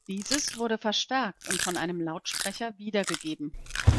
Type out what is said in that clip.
Dieses wurde verstärkt und von einem Lautsprecher wiedergegeben.